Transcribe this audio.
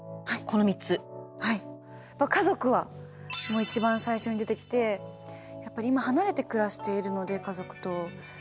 家族は一番最初に出てきてやっぱり今離れて暮らしているので家族と。